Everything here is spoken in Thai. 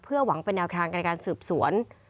เพื่อหวังเป็นแนวคลางการการสืบสวน